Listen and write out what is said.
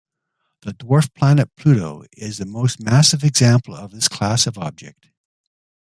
The dwarf planet Pluto is the most massive example of this class of object.